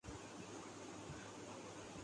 اورہمارے ذہن کے پردے پر ایک تصویر ابھرتی جاتی ہے۔